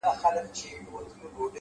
خپل ارزښت په کردار ثابتېږي،